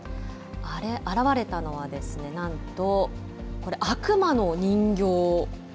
現れたのは、なんと、これ悪魔の人形。